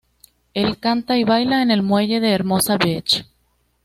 El canta y baila en el muelle de Hermosa Beach.